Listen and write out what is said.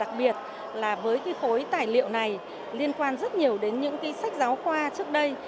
đặc biệt là với cái khối tài liệu này liên quan rất nhiều đến những cái sách giáo khoa trước đây